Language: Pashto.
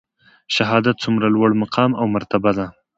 شهادت څومره لوړ مقام او مرتبه ده؟